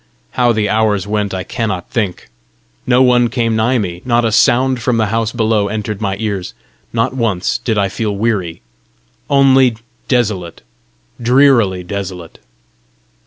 How the hours went I cannot think. No one came nigh me; not a sound from the house below entered my ears. Not once did I feel weary only desolate, drearily desolate.